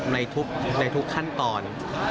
ในทุกขั้นตอน